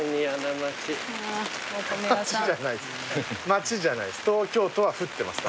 町じゃないです。